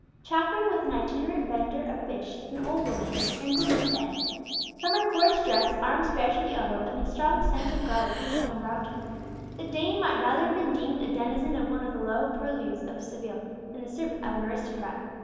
Chaffering with an itinerant vendor of fish stood an old woman, wrinkled and bent. From her coarse dress, arms bare to the elbow, and the strong scent of garlic which hung about her, the dame might rather have been deemed a denizen of one of the low purlieus of Seville, than the servant of an aristocrat.